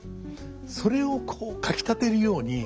それをこうかきたてるように。